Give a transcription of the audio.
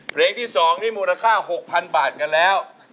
เพลงที่๒นี้มูลค่า๖๐๐๐บาทกันแล้ว